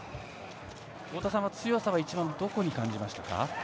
太田さんは、強さを一番どこに感じましたか？